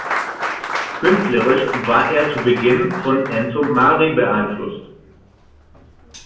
Künstlerisch war er zu Beginn von Enzo Mari beeinflusst.